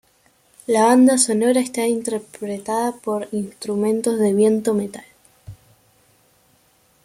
La banda sonora está interpretada por Instrumentos de viento-metal.